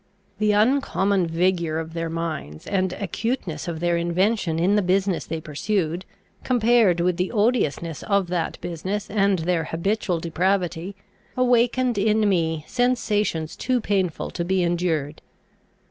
The uncommon vigour of their minds, and acuteness of their invention in the business they pursued, compared with the odiousness of that business and their habitual depravity, awakened in me sensations too painful to be endured.